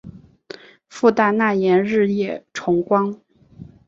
父大纳言日野重光。